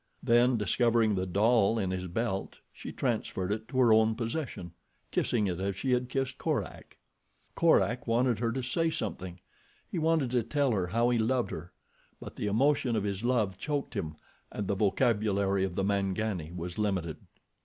Then, discovering the doll in his belt she transferred it to her own possession, kissing it as she had kissed Korak. Korak wanted her to say something. He wanted to tell her how he loved her; but the emotion of his love choked him and the vocabulary of the Mangani was limited.